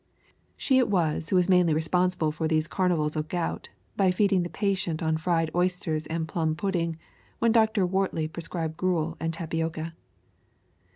She it was who was mainly responsible for these carnivals of gout by feeding the patient on fried oysters and plum pudding when Dr. Wortley prescribed gruel and tapioca.